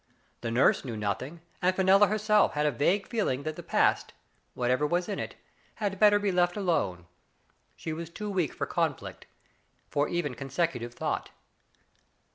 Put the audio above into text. The nurse knew nothing, and Fenella herself had a vague feeling that the past, whatever was in it, had better be let alone. She was too weak for conflict, for even consecutive thought.